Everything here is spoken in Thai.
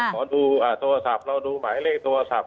ขอดูโทรศัพท์เราดูหมายเลขโทรศัพท์